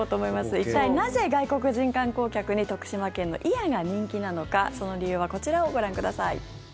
一体なぜ、外国人観光客に徳島県の祖谷が人気なのかその理由はこちらをご覧ください。